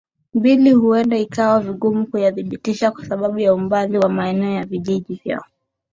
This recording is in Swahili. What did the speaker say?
mbili huenda ikawa vigumu kuyathibitisha kwa sababu ya umbali wa maeneo ya vijiji vyao